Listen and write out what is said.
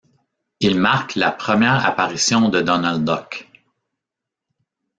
Il marque la première apparition de Donald Duck.